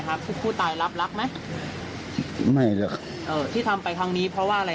ครับผู้ตายรับรักไหมไม่หรอกที่ทำไปทางนี้เพราะว่าอะไร